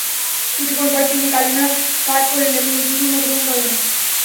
কিছুক্ষণ পরই তিনি কালিমা পাঠ করলেন এবং নতুন ধর্ম গ্রহণ করলেন।